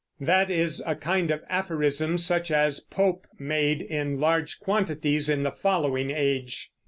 That is a kind of aphorism such as Pope made in large quantities in the following age.